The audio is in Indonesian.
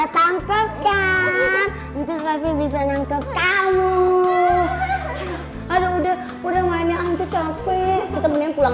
tetangga dan itu pasti bisa nangkep kamu ada udah udah mainnya capek temen pulang